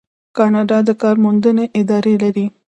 کاناډا د کار موندنې ادارې لري.